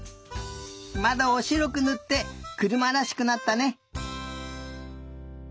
まどをしろくぬってくるまらしくなったね。